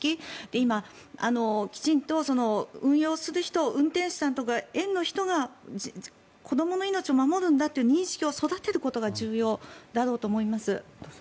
今、きちんと運用する人運転手さんとか園の人が子どもの命を守るんだという認識を育てることが重要だと思います。